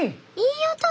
いい音！